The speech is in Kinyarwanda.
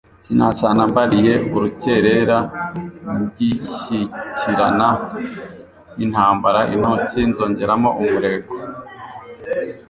sinacana mbaliye urukerera ngishyikirana n'intambara intoki nzongeramo umurego